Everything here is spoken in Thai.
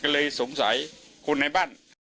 ก็เลยสงสัยคนในบ้าน